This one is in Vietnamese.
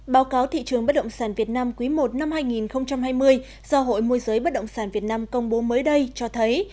báo cáo thị trường bất động sản việt nam quý i năm hai nghìn hai mươi do hội môi giới bất động sản việt nam công bố mới đây cho thấy